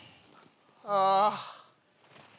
・ああ。